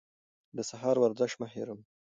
د سهار ورزش مه هېروئ.